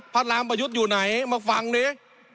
รามประยุทธ์อยู่ไหนมาฟังดิ